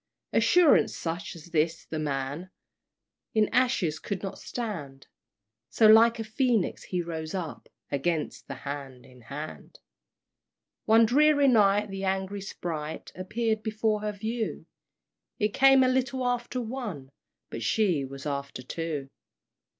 Assurance such as this the man In ashes could not stand; So like a Phoenix he rose up Against the Hand in Hand! One dreary night the angry sprite Appeared before her view; It came a little after one, But she was after two!